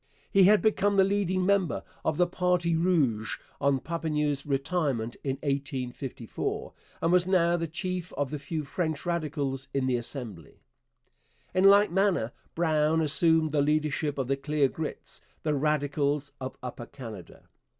He had become the leading member of the Parti Rouge on Papineau's retirement in 1854, and was now the chief of the few French Radicals in the Assembly. In like manner Brown assumed the leadership of the Clear Grits, the Radicals of Upper Canada.